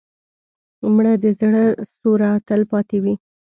مړه د زړه سوره تل پاتې وي